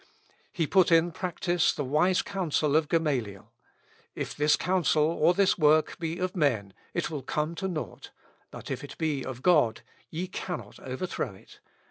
He put in practice the wise counsel of Gamaliel, "If this counsel or this work be of men, it will come to nought; but if it be of God ye cannot overthrow it."